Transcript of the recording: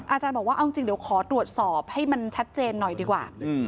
อาจารย์บอกว่าเอาจริงเดี๋ยวขอตรวจสอบให้มันชัดเจนหน่อยดีกว่า